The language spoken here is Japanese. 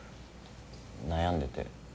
悩んでて。